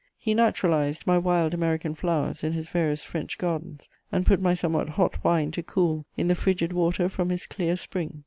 He naturalized my wild American flowers in his various French gardens, and put my somewhat hot wine to cool in the frigid water from his clear spring.